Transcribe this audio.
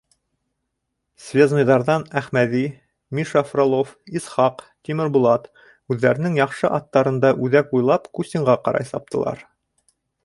Связнойҙарҙан Әхмәҙи, Миша Фролов, Исхаҡ, Тимербулат үҙҙәренең яҡшы аттарында үҙәк буйлап Кустинға ҡарай саптылар.